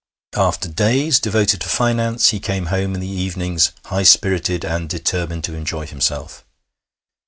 After days devoted to finance, he came home in the evenings high spirited and determined to enjoy himself.